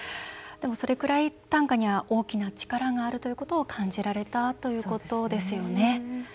でも、それくらい短歌には大きな力があるということを感じられたということですよね。